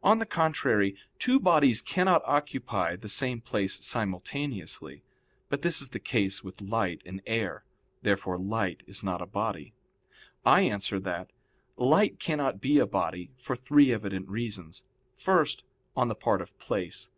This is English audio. On the contrary, Two bodies cannot occupy the same place simultaneously. But this is the case with light and air. Therefore light is not a body. I answer that, Light cannot be a body, for three evident reasons. First, on the part of place.